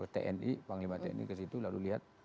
tni panglima tni ke situ lalu lihat